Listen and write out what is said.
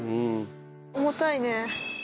重たいね。